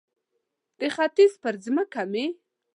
د ختیځ پر مځکه مې